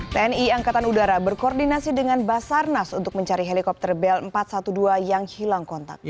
tni angkatan udara berkoordinasi dengan basarnas untuk mencari helikopter bel empat ratus dua belas yang hilang kontak